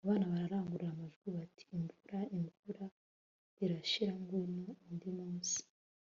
abana barangurura amajwi bati imvura, imvura irashira. ngwino undi munsi